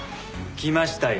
来ましたよ。